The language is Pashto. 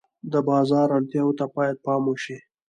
د بازار اړتیاوو ته باید پام وشي.